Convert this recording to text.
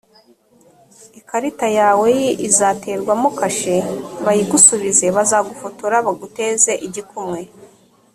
ikarita yawe ya i izaterwamo kashe bayigusubize. bazagufotora baguteze igikumwe